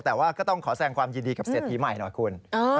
แต่ว่าก็ต้องขอแสงความยินดีกับเศรษฐีใหม่หน่อยคุณ